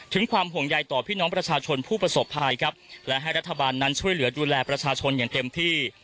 ความห่วงใยต่อพี่น้องประชาชนผู้ประสบภัยครับและให้รัฐบาลนั้นช่วยเหลือดูแลประชาชนอย่างเต็มที่